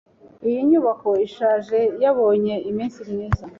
Iyi nyubako ishaje yabonye iminsi myiza.